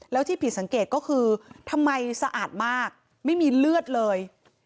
แล้วที่ผิดสังเกตก็คือทำไมสะอาดมากไม่มีเลือดเลย